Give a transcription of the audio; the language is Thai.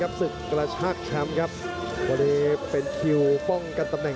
เขาถูกกำลังถูกกำลังถูกกำลังถูกกำลังถูกกำลังถูกกำลัง